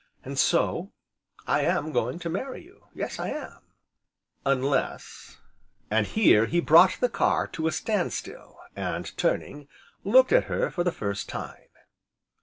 And so, I am going to marry you, yes I am, unless " and here, he brought the car to a standstill, and turning, looked at her for the first time.